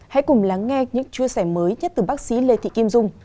hãy cùng lắng nghe những chia sẻ mới nhất từ bác sĩ lê thị kim dung